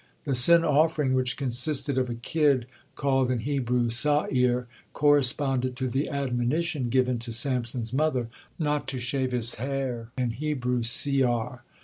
The sin offering, which consisted of a kid, called in Hebrew, Sa'ir, corresponded to the admonition given to Samson's mother, not to shave his hair, in Hebrew Se'ar.